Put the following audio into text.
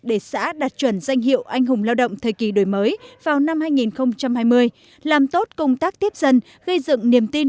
để xã đạt chuẩn danh hiệu anh hùng lao động thời kỳ đổi mới vào năm hai nghìn hai mươi làm tốt công tác tiếp dân